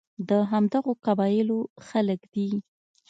د همدغو قبایلو خلک دي.